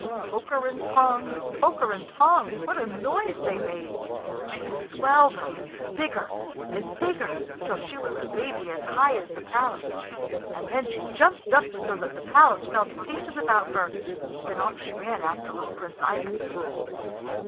Poker and tongs, poker and tongs what a noise they made! She swelled up, bigger and bigger, till she was a baby as high as the palace. And then she jumped up so that the palace fell to pieces about her. Then off she ran after little Prince Ivan.